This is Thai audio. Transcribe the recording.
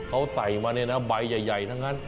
เขาใส่มาเนี่ยนะใบใหญ่ทั้งนั้น